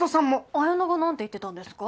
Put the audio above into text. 彩菜がなんて言ってたんですか？